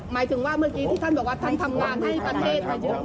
หมายถึงว่าเมื่อกี้ที่ท่านบอกว่าท่านทำงานให้ประเทศมาเยอะ